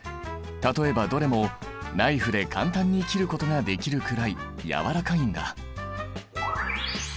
例えばどれもナイフで簡単に切ることができるくらい軟らかいんだ。